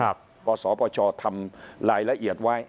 เพราะสปชทำรายละเอียดไว้